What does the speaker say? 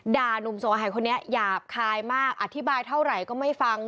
หนุ่มส่งอาหารคนนี้หยาบคายมากอธิบายเท่าไหร่ก็ไม่ฟัง